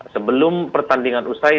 sebelum pertandingan usai